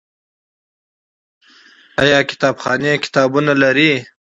آیا کتابخانې کتابونه لري؟